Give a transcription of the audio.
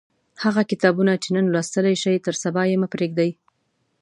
هغه کتابونه چې نن لوستلای شئ تر سبا یې مه پریږدئ.